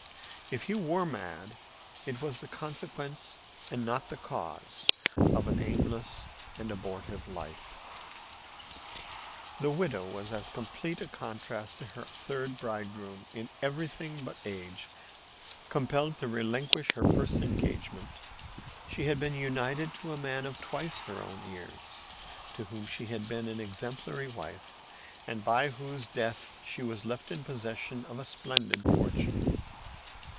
If he were mad, it was the consequence, and not the cause, of an aimless and abortive life. The widow was as complete a contrast to her third bridegroom in everything but age as can well be conceived. Compelled to relinquish her first engagement, she had been united to a man of twice her own years, to whom she became an exemplary wife, and by whose death she was left in possession of a splendid fortune.